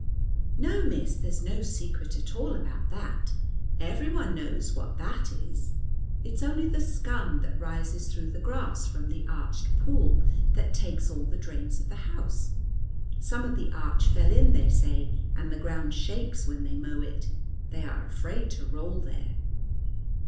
"No, Miss, there's no secret at all about that. Every one knows what that is. It's only the scum that rises through the grass from the arched pool that takes all the drains of the house. Some of the arch fell in they say, and the ground shakes when they mow it; they are afraid to roll there."